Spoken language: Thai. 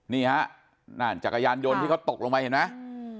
นี่ฮะนั่นจักรยานยนต์ที่เขาตกลงไปเห็นไหม